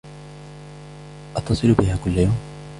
أتصل بها كل يوم.